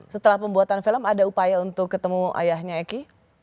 setelah pembuatan film ada upaya untuk ketemu ayahnya eki